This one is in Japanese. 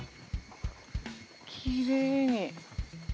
きれいに。